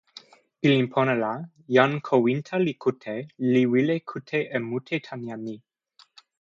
pilin pona la jan Kowinta li kute, li wile kute e mute tan jan ni.